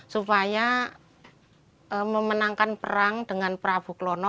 supaya memenangkan perang dengan prabu klono